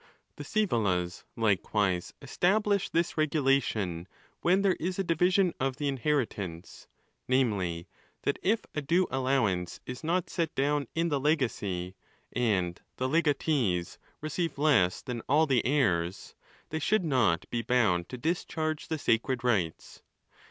|: The Sceevolas likewise establish this regulation, when there. is a division of the inheritance ; namely, that if a due alliow ance is net set down in the lewacy, and the legatees receive less than all the heirs, they should not be bound to discharge _ the sacred rites.